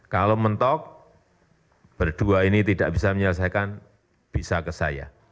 kalau mentok berdua ini tidak bisa menyelesaikan bisa ke saya